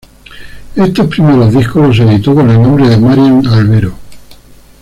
Estos primeros discos los editó con el nombre de Marian Albero.